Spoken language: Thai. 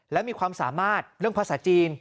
และมีความสามารถเรื่องภาษาจีน